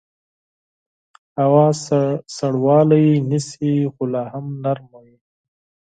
هوا سوړوالی نیسي خو لاهم نرمه وي